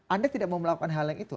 anda tidak mau melakukan hal yang itu